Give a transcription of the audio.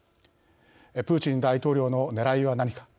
プーチン大統領のねらいは何か。